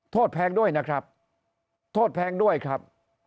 แพงด้วยนะครับโทษแพงด้วยครับ